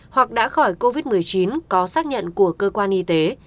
hoặc đã khỏi covid một mươi chín có xác nhận của cơ quan y tế